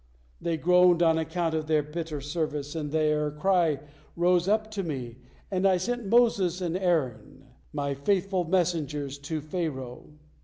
They groaned on account of their bitter service, and their cry rose up to Me, and I sent Moses and Aaron, My faithful messengers, to Pharaoh.